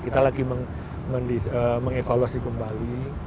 kita lagi mengevaluasi kembali